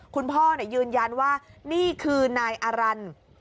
คุณพ่อยืนยันว่านี่คือนายอารันทร์